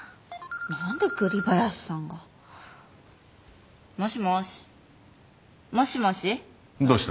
何で栗林さんが？もしもし。